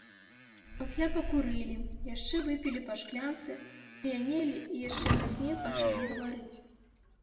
Пасля пакурылі, яшчэ выпілі па шклянцы, сп'янелі і яшчэ мацней пачалі гаварыць.